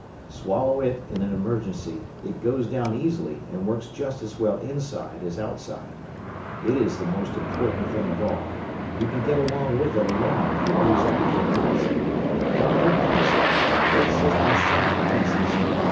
Swallow it in an emergency it goes down easily and works just as well inside as outside. It is the most important thing of all you can get along with it alone if you lose everything else, but without that capsule the whole system's shot to pieces.